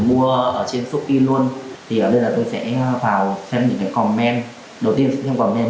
mà chị thkind bình tĩnh